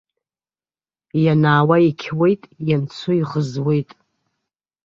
Ианаауа иқьуеит, ианцо иӷызуеит.